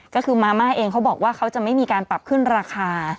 ก็คือมาม่าเองเขาบอกว่าเขาจะไม่มีการปรับขึ้นราคา